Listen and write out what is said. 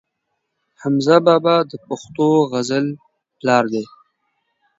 حمزه بابا د پښتو غزل پلار دی.